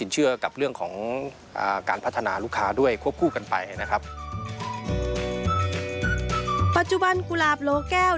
ปัจจุบันกุหลาบโลแก้ว